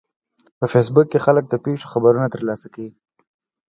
په فېسبوک کې خلک د پیښو خبرونه ترلاسه کوي